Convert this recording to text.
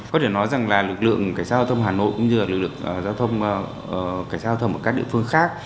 có thể nói rằng là lực lượng cảnh sát giao thông hà nội cũng như là lực lượng giao thông cảnh sát giao thông ở các địa phương khác